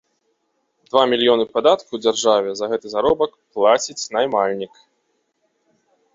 Два мільёны падатку дзяржаве за гэты заробак плаціць наймальнік.